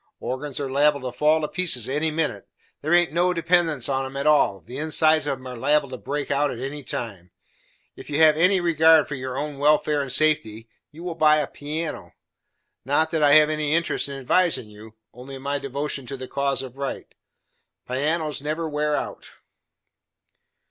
Organs are liable to fall to pieces any minute. There haint no dependence on 'em at all, the insides of 'em are liable to break out at any time. If you have any regard for your own welfare and safety, you will buy a piano. Not that I have any interest in advising you, only my devotion to the cause of Right; pianos never wear out."